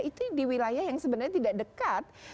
itu di wilayah yang sebenarnya tidak dekat